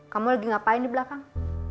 kamu lagi ngapain di belakang